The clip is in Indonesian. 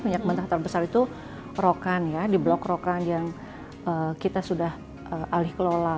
minyak mentah terbesar itu rokan ya di blok rokan yang kita sudah alih kelola